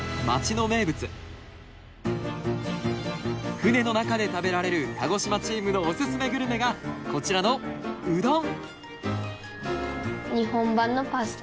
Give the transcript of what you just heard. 船の中で食べられる鹿児島チームのオススメグルメがこちらのうどん！